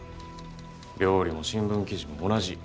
料理も新聞記事も同じ。